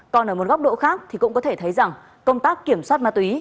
còn ở một góc độ khác thì cũng có thể thấy rằng công tác kiểm soát ma túy